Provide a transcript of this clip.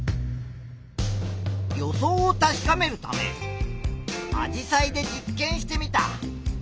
予想を確かめるためアジサイで実験してみた。